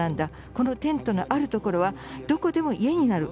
このテントのあるところはどこでも家になる。